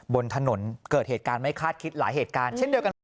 บนถนนเกิดเหตุการณ์ไม่คาดคิดหลายเหตุการณ์